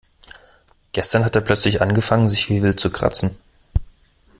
Gestern hat er plötzlich angefangen sich wie wild zu kratzen.